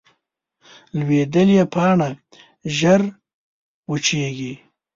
لوېدلې پاڼه ژر وچېږي